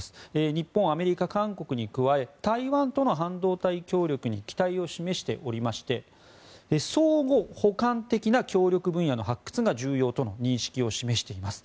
日本、アメリカ、韓国に加え台湾との半導体協力に期待を示しておりまして相互補完的な協力分野の発掘が重要との認識を示しています。